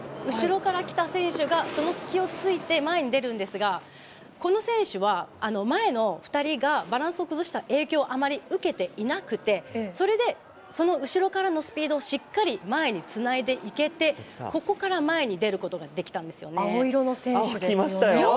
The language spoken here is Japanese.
後ろに来た選手がその隙を突いて前に出るんですがこの選手は前の２人がバランスを崩した影響をあまり受けていなくてそれでその後ろからのスピードをしっかり前につないでいけてここから前に青色の選手ですよね。